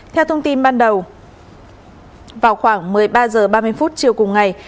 theo thông tin ban đầu vào khoảng một mươi ba h ba mươi chiều cùng ngày